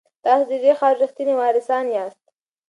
تاسو د دې خاورې ریښتیني وارثان یاست.